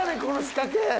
この仕掛け！